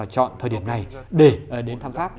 chọn thời điểm này để đến thăm pháp